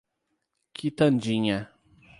Quitandinha